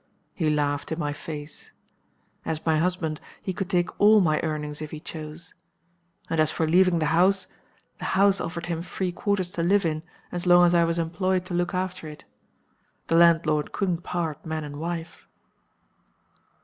He laughed in my face. As my husband, he could take all my earnings if he chose. And as for leaving the house, the house offered him free quarters to live in as long as I was employed to look after it. The landlord couldn't part man and wife.